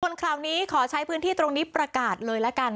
ส่วนข่าวนี้ขอใช้พื้นที่ตรงนี้ประกาศเลยละกัน